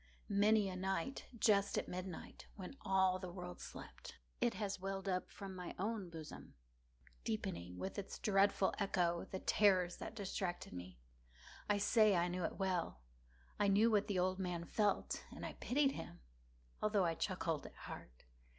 Many a night, just at midnight, when all the world slept, it has welled up from my own bosom, deepening, with its dreadful echo, the terrors that distracted me. I say I knew it well. I knew what the old man felt, and pitied him, although I chuckled at heart.